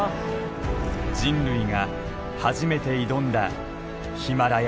人類が初めて挑んだヒマラヤ悪魔の谷。